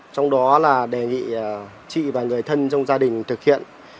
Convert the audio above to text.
trong đó là đề nghị chị và người thân trong gia đình thực hiện